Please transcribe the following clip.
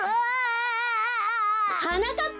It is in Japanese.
はなかっぱ！